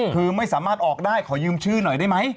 คือไม่สามารถออกได้ขอยืมชื่อหน่อยได้ไหม